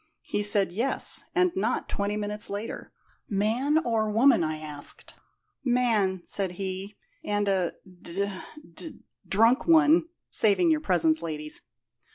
He said, 'Yes; and not twenty minutes later.' 'Man or woman?' I asked. 'Man,' said he, 'and a d d drunk one' saving your presence, ladies.